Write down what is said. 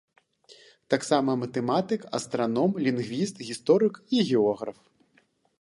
Таксама матэматык, астраном, лінгвіст, гісторык і географ.